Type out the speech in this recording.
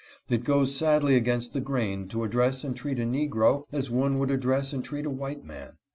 It goes sadly against the grain to address and treat a segro as one would address and treat a white man.